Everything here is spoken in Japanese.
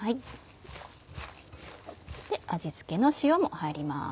味付けの塩も入ります。